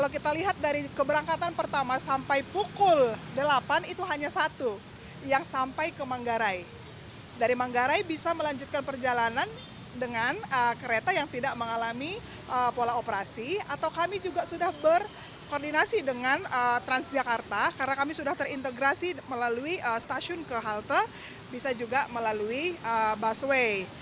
karena kami sudah terintegrasi melalui stasiun ke halte bisa juga melalui busway